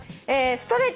ストレッチ。